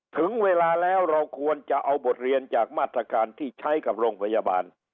ถึงเวลาแล้วเราควรจะเอาบทเรียนจากมาตรการที่ใช้กับโรงพยาบาล